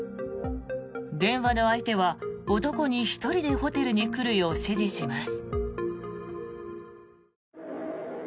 電話の相手は男に１人でホテルに来るよう指示します。